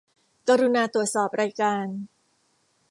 กรุณาตรวจสอบรายการ